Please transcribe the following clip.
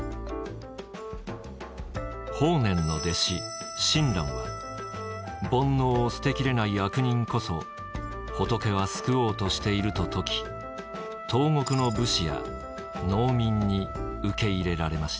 法然の弟子親鸞は「煩悩を捨て切れない悪人こそ仏は救おうとしている」と説き東国の武士や農民に受け入れられました。